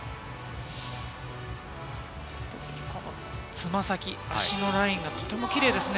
つま先、足のラインがとてもキレイですね。